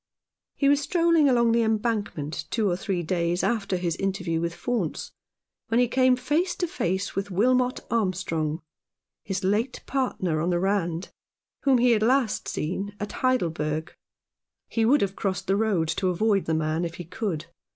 He was strolling along the Embankment two or three days after his interview with Faunce, when he came face to face with Wilmot Armstrong, his late partner on the Rand, whom he had last seen at Heidelberg. He would have crossed the road to avoid the man if he could.